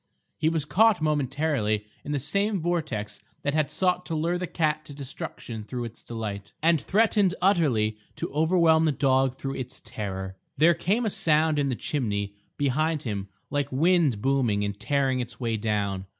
He was caught momentarily in the same vortex that had sought to lure the cat to destruction through its delight, and threatened utterly to overwhelm the dog through its terror. There came a sound in the chimney behind him like wind booming and tearing its way down.